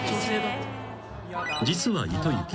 ［実は糸之。